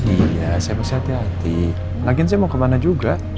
iya saya mesti hati hati lagi saya mau kemana juga